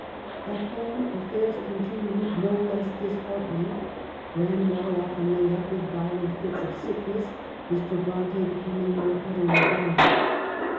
At home affairs continued no less dishearten ing. Branwell often laid up with violent fits of sickness, Mr. Bronte becoming more utterly blind.